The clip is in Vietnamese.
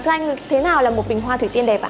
thưa anh thế nào là một bình hoa thủy tiên đẹp ạ